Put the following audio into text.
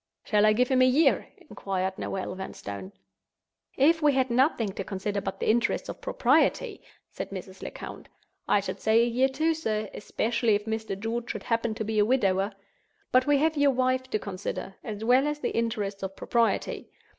"Shall I give him a year?" inquired Noel Vanstone. "If we had nothing to consider but the interests of Propriety," said Mrs. Lecount, "I should say a year too, sir—especially if Mr. George should happen to be a widower. But we have your wife to consider, as well as the interests of Propriety.